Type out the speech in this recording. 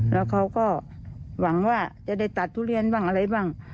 แล้วเขาก็หวังว่าจะได้ตัดทุเรียนบ้างอะไรบ้าง